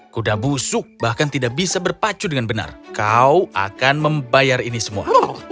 kuda busuk bahkan tidak bisa berpacu dengan benar kau akan membayar ini semua